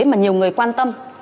mà nhiều người quan tâm